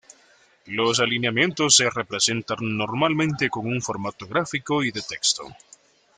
Los alineamientos se representan normalmente con un formato gráfico y de texto.